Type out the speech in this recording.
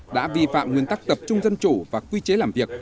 đã vi phạm nguyên tắc tập trung dân chủ và quy chế làm việc